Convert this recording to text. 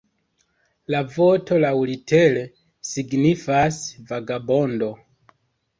La voto laŭlitere signifas "vagabondo".